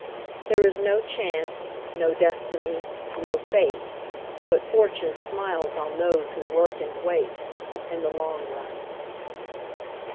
There is no Chance, no Destiny, no Fate, But Fortune smiles on those who work and wait, In the long run.